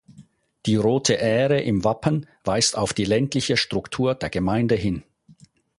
Die rote Ähre im Wappen weist auf die ländliche Struktur der Gemeinde hin.